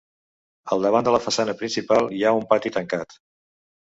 Al davant de la façana principal hi ha un pati tancat.